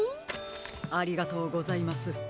ありがとうございます。